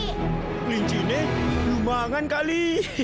kelincinnya lumangan kali